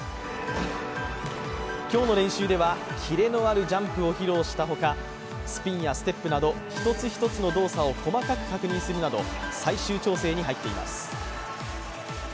今日の練習ではキレのあるジャンプを披露したほかスピンやステップなど一つ一つの動作を細かく確認するなど最終調整に入っています。